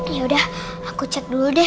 yaudah aku cek dulu deh